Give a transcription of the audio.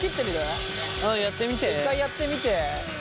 うんやってみて。